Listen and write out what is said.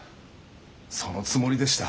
そのつもりでした。